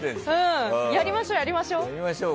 やりましょう、やりましょう！